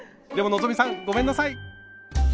でも希さんごめんなさい！